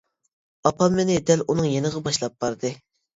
ئاپام مېنى دەل ئۇنىڭ يېنىغا باشلاپ باردى.